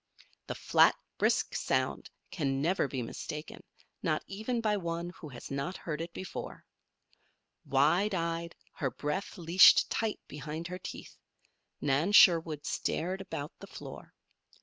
The flat, brisk sound can never be mistaken, not even by one who has not heard it before. Wide eyed, her breath leashed tight behind her teeth, Nan Sherwood stared about the floor.